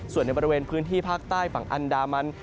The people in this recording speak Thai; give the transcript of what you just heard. ส่วนในบริเวณพื้นที่ภาคใต้ฝั่งอันดามัน